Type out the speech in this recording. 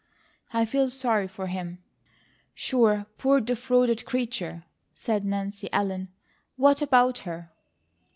I feel sorry for him." "Sure! Poor defrauded creature!" said Nancy Ellen. "What about her?"